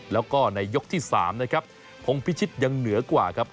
แล้วก็ในยกที่๓นะครับพงพิชิตยังเหนือกว่าครับ